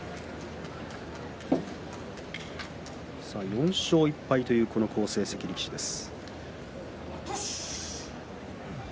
４勝１敗という好成績同士の取組です。